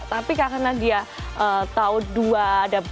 tapi karena dia tahu dua ada dua bandara